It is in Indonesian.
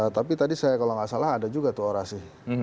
tapi tadi saya kalau nggak salah ada juga tuh orasi